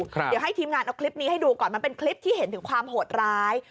เดี๋ยวให้ทีมงานเอาคลิปนี้ให้ดูก่อนมันเป็นคลิปที่เห็นถึงความโหดร้าย